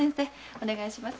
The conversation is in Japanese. お願いします。